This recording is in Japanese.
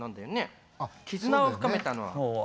絆を深めたのは。